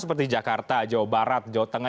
seperti jakarta jawa barat jawa tengah